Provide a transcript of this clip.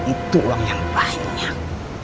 itu uang yang banyak